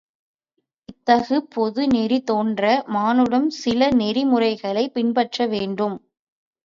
இத்தகு பொது நெறி தோன்ற மானுடம் சில நெறி முறைகளைப் பின்பற்றவேண்டும்.